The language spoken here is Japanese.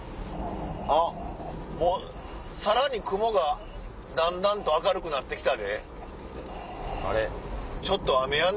あっさらに雲がだんだんと明るくなって来たで。ねぇ！